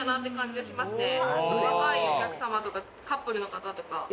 若いお客様とかカップルの方とか。